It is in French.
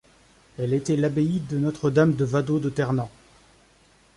Elle était l'abbaye de Notre-Dame de Vado de Ternant.